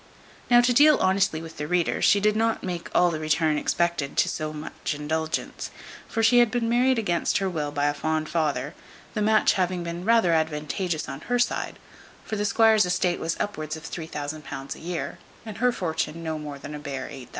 Now to deal honestly with the reader, she did not make all the return expected to so much indulgence; for she had been married against her will by a fond father, the match having been rather advantageous on her side; for the squire's estate was upward of £3000 a year, and her fortune no more than a bare £8000.